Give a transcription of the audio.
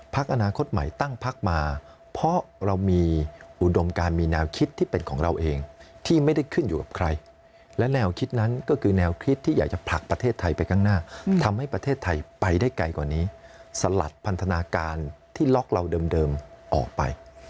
อนาคตใหม่ตั้งพักมาเพราะเรามีอุดมการมีแนวคิดที่เป็นของเราเองที่ไม่ได้ขึ้นอยู่กับใครและแนวคิดนั้นก็คือแนวคิดที่อยากจะผลักประเทศไทยไปข้างหน้าทำให้ประเทศไทยไปได้ไกลกว่านี้สลัดพันธนาการที่ล็อกเราเดิมออกไป